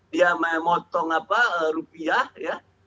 dia memotong rupiah ya